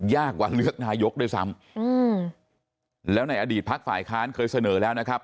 ยากกว่าเลือกนายกด้วยซ้ำอืมแล้วในอดีตพักฝ่ายค้านเคยเสนอแล้วนะครับ